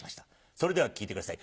それでは聴いてください